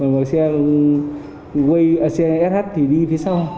một xe sh thì đi phía sau